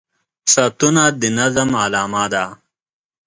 • ساعتونه د نظم علامه ده.